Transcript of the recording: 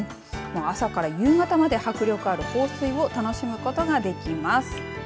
朝から夕方まで迫力ある放水を楽しむことができます。